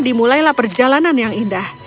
dimulailah perjalanan yang indah